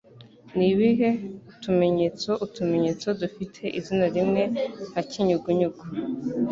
Nibihe Utumenyetso Utumenyetso dufite Izina Rimwe Nka Kinyugunyugu